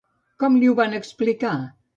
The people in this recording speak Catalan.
Com li ho van explicar?